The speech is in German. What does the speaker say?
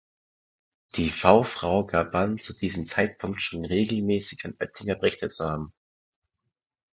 Die V-Frau gab an, zu diesem Zeitpunkt schon regelmäßig an Oettinger berichtet zu haben.